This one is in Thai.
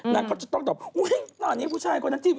นางก็จะต้องตอบอุ๊ยตอนนี้ผู้ชายคนนั้นจิ้ม